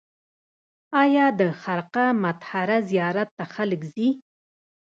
آیا د خرقه مطهره زیارت ته خلک ځي؟